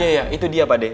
iya iya itu dia pak deng